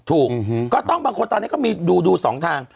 ถูกต้องบางคนตอนนี้ก็มีดูสองทาง